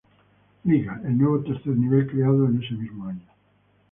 Liga, el nuevo tercer nivel creado en ese mismo año.